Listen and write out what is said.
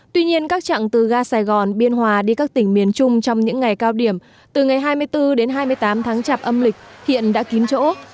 tuy nhiên các chặng từ ga sài gòn biên hòa đi các tỉnh miền trung trong những ngày cao điểm từ ngày hai mươi bốn đến hai mươi tám tháng chạp âm lịch hiện đã kín chỗ